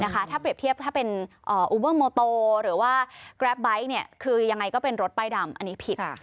ถ้าเปรียบเทียบถ้าเป็นอูเบอร์โมโตหรือว่าแกรปไบท์คือยังไงก็เป็นรถป้ายดำอันนี้ผิด